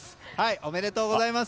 おめでとうございます。